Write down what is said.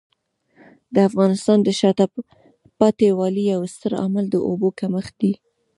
د افغانستان د شاته پاتې والي یو ستر عامل د اوبو کمښت دی.